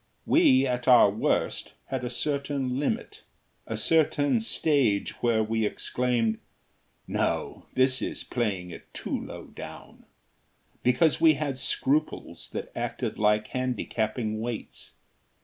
We, at our worst, had a certain limit, a certain stage where we exclaimed: "No, this is playing it too low down," because we had scruples that acted like handicapping weights.